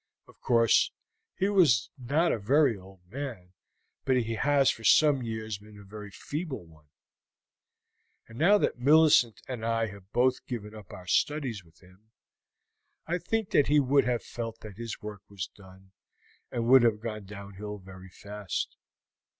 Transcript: Of course, he was not a very old man, but he has for some years been a very feeble one, and now that Millicent and I have both given up our studies with him, I think that he would have felt that his work was done, and would have gone downhill very fast."